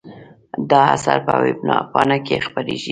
دا اثر په وېبپاڼه کې خپریږي.